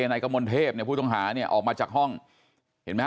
นายกมลเทพเนี่ยผู้ต้องหาเนี่ยออกมาจากห้องเห็นไหมฮ